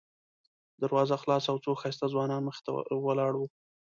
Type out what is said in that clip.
دروازه خلاصه او څو ښایسته ځوانان مخې ته ولاړ وو.